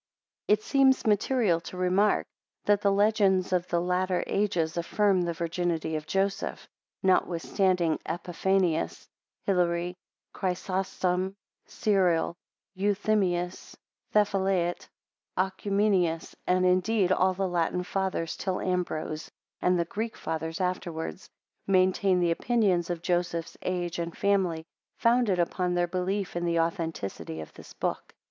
It seems material to remark, that the legends of the latter ages affirm the virginity of Joseph, notwithstanding Epiphanius, Hilary, Chrysostom, Cyril, Euthymius, Thephylaet, Occumenius, and indeed all the Latin Fathers till Ambrose, and the Greek Fathers afterwards, maintain the opinions of Joseph's age and family, founded upon their belief in the authenticity of this book.